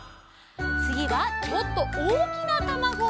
つぎはちょっとおおきなたまご！